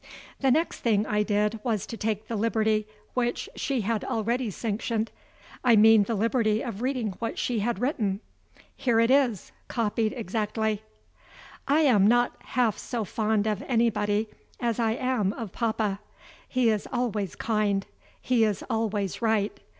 The next thing I did was to take the liberty which she had already sanctioned I mean the liberty of reading what she had written. Here it is, copied exactly: "I am not half so fond of anybody as I am of papa. He is always kind, he is always right.